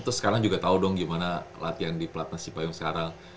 terus sekarang juga tau dong gimana latihan di pelatnas cipayung sekarang